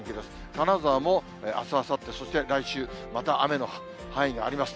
金沢もあす、あさって、そして来週、また雨の範囲があります。